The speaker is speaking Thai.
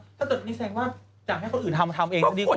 ถ้าเกิดนี่แสดงว่าอยากให้คนอื่นทำมาทำเองดีกว่า